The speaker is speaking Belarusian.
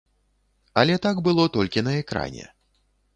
Але так было толькі на экране.